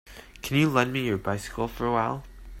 Can you lend me your bycicle for a while.